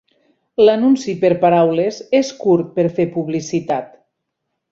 L'anunci per paraules és curt per fer publicitat.